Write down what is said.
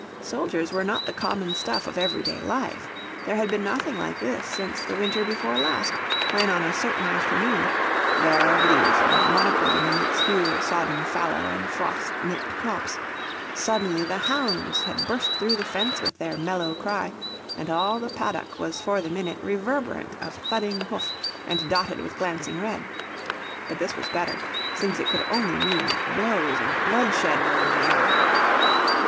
Soldiers were not the common stuff of everyday life. There had been nothing like this since the winter before last, when on a certain afternoon bare of leaf and monochrome in its hue of sodden fallow and frost nipt copse suddenly the hounds had burst through the fence with their mellow cry, and all the paddock was for the minute reverberant of thudding hoof and dotted with glancing red. But this was better, since it could only mean that blows and bloodshed were in the air.